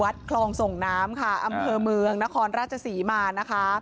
คลองส่งน้ำค่ะอำเภอเมืองนครราชศรีมานะคะ